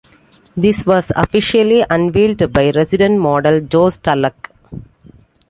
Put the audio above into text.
This was officially unveiled by resident model Josh Tallack.